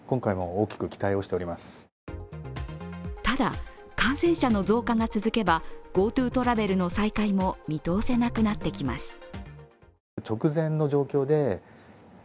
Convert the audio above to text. ただ、感染者の増加が続けばＧｏＴｏトラベルの再開も見通せなくなってきます。